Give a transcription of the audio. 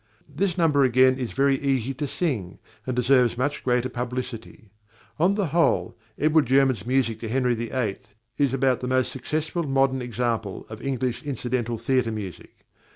This number again is very easy to sing, and deserves much greater publicity. On the whole, Edward German's music to Henry VIII. is about the most successful modern example of English incidental theatre music.